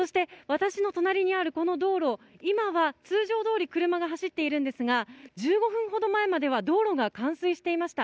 私の隣にあるこの道路、今は通常通り車が走っているんですが、１５分ほど前までは道路が冠水していました。